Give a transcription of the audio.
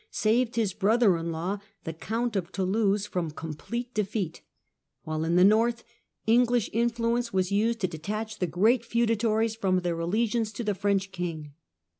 saved his brother in law, the Count of Toulouse, from complete defeat, while in the North, English influence was used to detach the great feudatories from their allegiance to the French king.